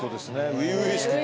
初々しくて。